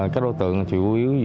các đối tượng chủ yếu